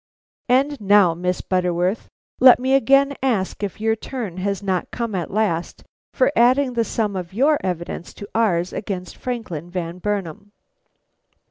"And now, Miss Butterworth, let me again ask if your turn has not come at last for adding the sum of your evidence to ours against Franklin Van Burnam?"